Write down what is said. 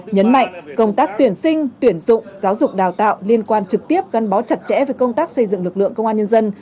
nhấn mạnh công tác tuyển sinh tuyển dụng giáo dục đào tạo liên quan trực tiếp gắn bó chặt chẽ với công tác xây dựng lực lượng công an nhân dân